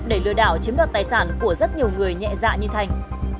để lừa đảo chiếm đoạt tài sản của rất nhiều người nhẹ dạ như thành